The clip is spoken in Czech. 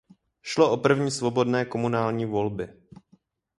Šlo o první svobodné komunální volby.